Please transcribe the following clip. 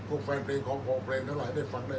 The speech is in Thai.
อันไหนที่มันไม่จริงแล้วอาจารย์อยากพูด